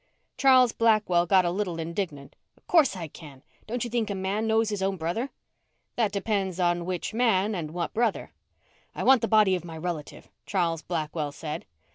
Charles Blackwell got a little indignant. "Of course, I can. Don't you think a man knows his own brother?" "That depends on which man and what brother." "I want the body of my relative," Charles Blackwell said.